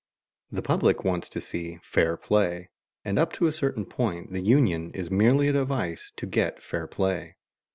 The public wants to see "fair play," and up to a certain point the union is merely a device to get fair play.